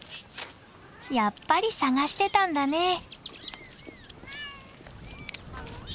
やっぱり捜してたんだね。